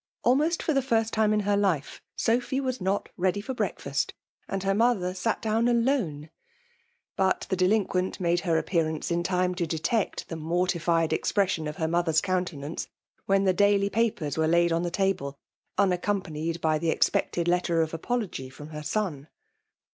Almioat for the first time in her life, Sophy was not ready 'for fareakfast, and her mother sat down alone ( But the delinquent made her appearahce in time to detect the mortified expression ot her mother s countenance, when the daily papers were laid on the table, unaccompanied by thij expected letter of apology from her eon.